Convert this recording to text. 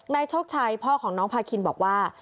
โชคชัยพ่อของน้องพาคินบอกว่า